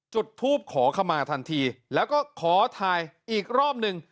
จุดทูปขอขมาทันทีแล้วก็ขอถ่ายอีกรอบหนึ่ง